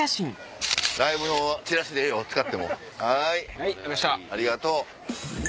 はいありがとう。